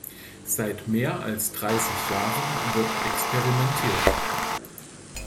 Seit mehr als dreißig Jahren wird experimentiert.